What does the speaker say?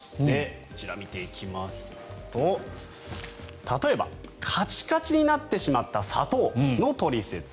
ほかにも色々ありましてこちら、見ていきますと例えば、カチカチになってしまった砂糖のトリセツ。